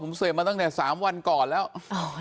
ตำรวจต้องไล่ตามกว่าจะรองรับเหตุได้